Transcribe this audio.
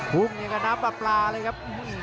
พุ่งอย่างกับน้ำปลาปลาเลยครับ